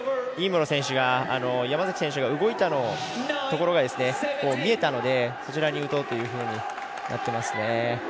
ろ選手が山崎選手が動いたところが見えたので、そちらに打とうというふうになっていますね。